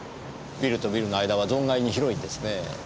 ビルとビルの間は存外に広いんですねぇ。